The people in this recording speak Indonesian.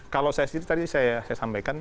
kalau saya sendiri tadi saya sampaikan